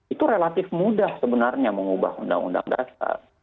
itu relatif mudah sebenarnya mengubah undang undang dasar